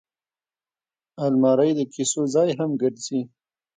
الماري د کیسو ځای هم ګرځي